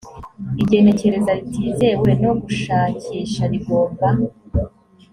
igenekereza ritizewe no gushakisha rigomba